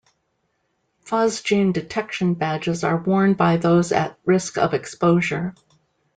Phosgene detection badges are worn by those at risk of exposure.